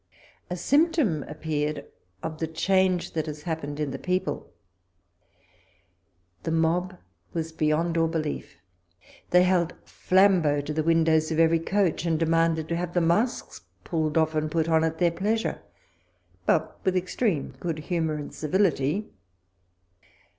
A symptom appeared of the change that has happened in the people. The mob was beyond all belief : they held flambeaux to the windows of every coach, and demanded to have the masks pulled off and put on at their pleasure, but with extreme good humour and civility.